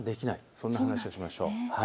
その話をしましょう。